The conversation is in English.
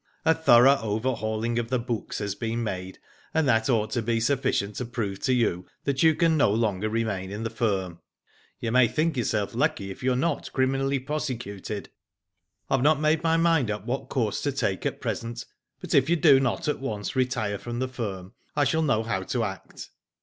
''A thorough overhaul ing of the books has been made, and that ought to be sufficient to prove to you that you can no longer remain in the firm. You may think yourself lucky if you are not criminally prose cuted. I have not made up my mind what course to take at present, but if you do not at once retire from the firm I shall know how to act."